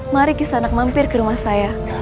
mari kisah anak mampir ke rumah saya